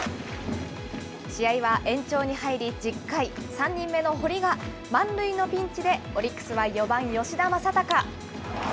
試合は延長に入り、１０回、３人目の堀が満塁のピンチでオリックスは４番吉田正尚。